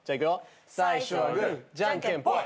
最初はグーじゃんけんぽん。